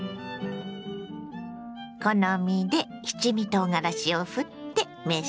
好みで七味とうがらしをふって召し上がれ。